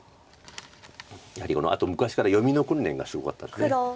やはりあと昔から読みの訓練がすごかったです。